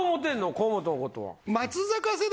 河本のことは。